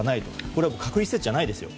これは隔離施設ではないですよ